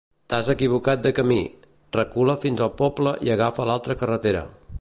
T'has equivocat de camí: recula fins al poble i agafa l'altra carretera.